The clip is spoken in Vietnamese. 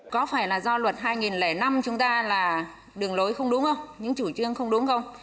có phải là do luật hai nghìn năm chúng ta là đường lối không đúng không những chủ trương không đúng không